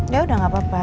ya udah gak apa apa